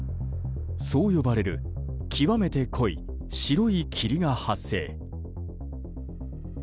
そう呼ばれる、極めて濃い白い霧が発生。